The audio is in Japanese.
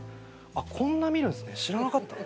こんな見るんすね知らなかった。